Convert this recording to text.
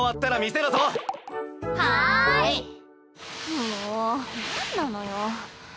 もうなんなのよ。